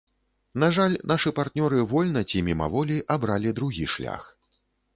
На жаль, нашы партнёры вольна ці мімаволі абралі другі шлях.